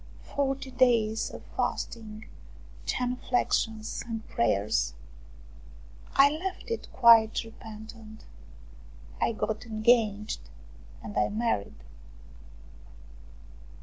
Forty days of fasting, genu flexions and prayers. I left it quite repentant. I got engaged and I married.